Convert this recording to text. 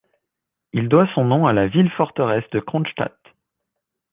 Il doit son nom à la ville- forteresse de Kronstadt.